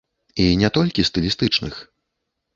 І не толькі стылістычных.